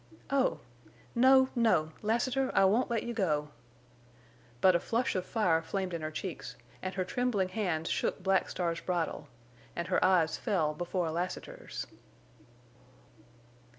"Oh! No! No!... Lassiter, I won't let you go!" But a flush of fire flamed in her cheeks, and her trembling hands shook Black Star's bridle, and her eyes fell before Lassiter's.